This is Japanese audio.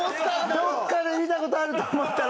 どこかで見た事あると思ったら。